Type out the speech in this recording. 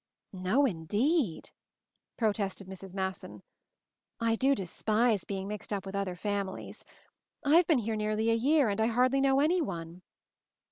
"No, indeed/' protested Mrs. Masson. "I do despise being mixed up with other fam ilies. I've been here nearly a year, and I hardly know anyone."